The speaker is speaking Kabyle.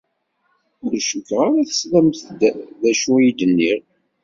Ur cukkeɣ ara teslamt-d acu i d-nniɣ.